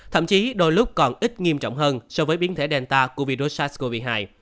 thậm chí đôi lúc còn ít nghiêm trọng hơn so với biến thể delta của virus sars cov hai